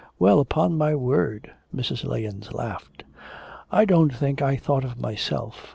Well, upon my word ' Mrs. Lahens laughed. 'I don't think I thought of myself.